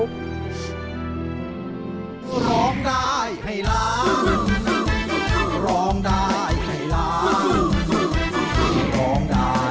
มึงร้องได้ให้ร้าง